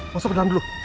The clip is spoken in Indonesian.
masuk ke dalam dulu